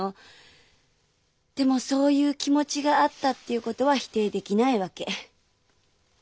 でもそういう気持ちがあったっていうことは否定できないわけ。